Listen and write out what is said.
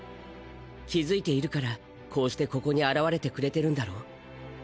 気付いているからこうしてここに現れてくれてるんだろう？